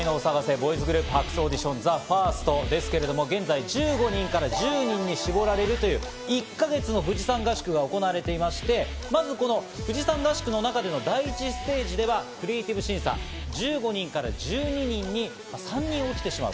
ボーイズグループ発掘オーディションＴＨＥＦＩＲＳＴですけれども、現在１５人から１２人に絞られるという１か月の富士山合宿が行われていまして、まず富士山合宿の中での第１ステージではクリエイティブ審査、１５人から１２人に３人落ちてしまう。